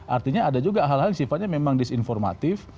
artinya ada juga hal hal yang sifatnya memang disinformatif